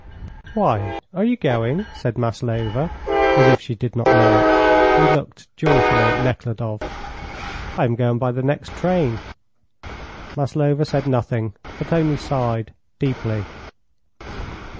"Why? Are you going?" said Maslova, as if she did not know it, and looked joyfully at Nekhludoff. "I am going by the next train." Maslova said nothing, but only sighed deeply.